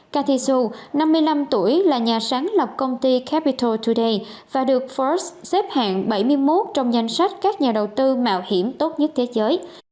katisu năm mươi năm tuổi là nhà sáng lập công ty capital today và được ford xếp hạng bảy mươi một trong danh sách các nhà đầu tư mạo hiểm tốt nhất thế giới